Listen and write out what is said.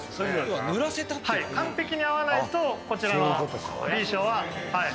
はい完璧に合わないとこちらのＢ賞ははい